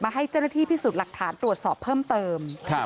ให้เจ้าหน้าที่พิสูจน์หลักฐานตรวจสอบเพิ่มเติม